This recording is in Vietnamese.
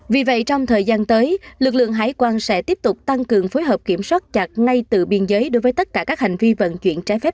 vì vậy trong thời gian tới lực lượng hải quan sẽ tiếp tục tăng cường phối hợp kiểm soát chặt ngay từ biên giới đối với tất cả các hành vi vận chuyển trái phép